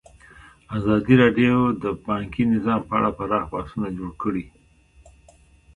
ازادي راډیو د بانکي نظام په اړه پراخ بحثونه جوړ کړي.